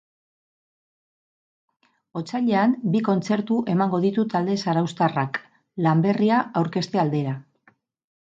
Otsailean bi kontzertu emango ditu talde zarauztarrak lan berria aurkezte aldera.